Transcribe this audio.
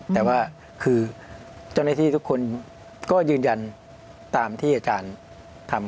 แต่ว่าคือเจ้าหน้าที่ทุกคนก็ยืนยันตามที่อาจารย์ทำ